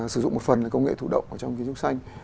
sử dụng một phần công nghệ thủ động ở trong kiến trúc xanh